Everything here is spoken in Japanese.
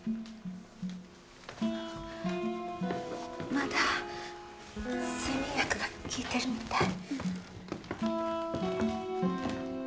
まだ睡眠薬が効いてるみたい。